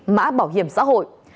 mã bảo hiểm xã hội